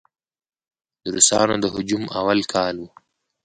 د روسانو د هجوم اول کال و.